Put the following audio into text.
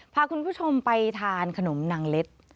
พาคุณผู้ชมไปทานขนมนางเล็ด